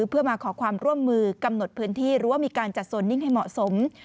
เพื่อมาขอความร่วมมือกำหนดพื้นที่หรือว่ามีการจัดโซนนิ่งให้เหมาะสม